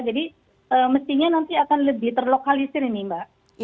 jadi mestinya nanti akan lebih terlokalisir ini mbak